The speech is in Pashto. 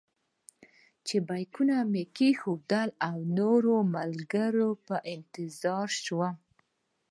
خپل بېکونه مې کېښودل او د نورو ملګرو په انتظار شوم.